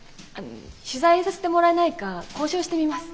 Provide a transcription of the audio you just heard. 取材させてもらえないか交渉してみます。